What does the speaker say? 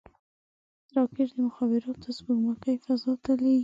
راکټ د مخابراتو سپوږمکۍ فضا ته لیږي